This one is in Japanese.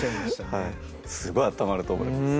はいすごい温まると思います